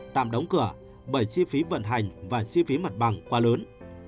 tạm đóng cửa bởi chi phí vận hành và chi phí mặt bằng quá lớn